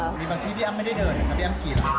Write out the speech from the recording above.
มีบางที่พี่อ้ำไม่ได้เดินนะครับพี่อ้ำขี่